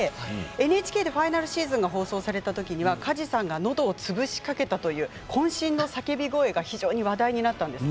ＮＨＫでファイナルシーズンが放送された時には梶さんがのどを潰しかけたというこん身の叫び声が非常に話題になりました。